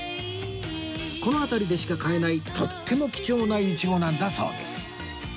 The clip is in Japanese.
この辺りでしか買えないとっても貴重ないちごなんだそうです